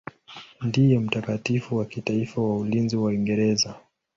Ndiye mtakatifu wa kitaifa wa ulinzi wa Uingereza.